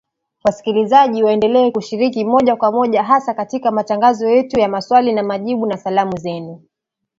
Wasikilizaji waendelea kushiriki moja kwa moja hasa katika matangazo yetu ya Maswali na Majibu na Salamu Zenu.